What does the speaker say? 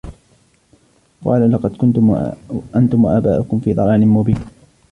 قَالَ لَقَدْ كُنْتُمْ أَنْتُمْ وَآبَاؤُكُمْ فِي ضَلَالٍ مُبِينٍ